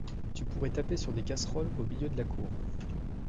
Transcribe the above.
Tu pourrais taper sur des casseroles au milieu de la cour